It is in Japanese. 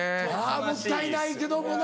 もったいないけどもな。